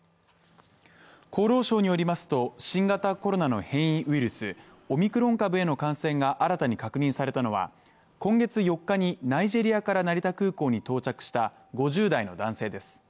厚労省によりますと、新型コロナの変異株、オミクロン株への感染が新たに確認されたのは今月４日にナイジェリアから成田空港に到着した５０代の男性です。